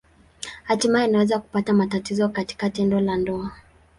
Hatimaye anaweza kupata matatizo katika tendo la ndoa.